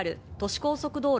高速道路